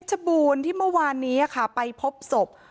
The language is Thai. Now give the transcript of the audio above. บูรณ์ที่เมื่อวานนี้ค่ะไปพบศพ